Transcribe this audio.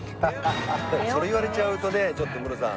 それ言われちゃうとねちょっとムロさん。